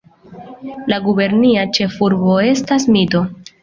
La gubernia ĉefurbo estas Mito.